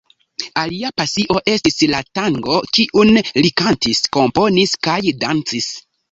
Alia pasio estis la tango, kiun li kantis, komponis kaj dancis.